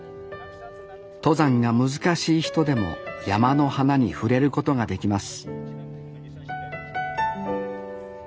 登山が難しい人でも山の花に触れることができます